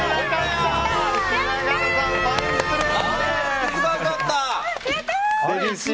雛形さん、ファインプレー！